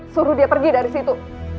suruh dia pergi dari situ